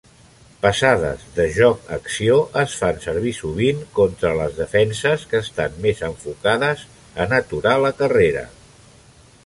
Passades de joc-acció es fan servir sovint contra les defenses que estan més enfocades en aturar la carrera.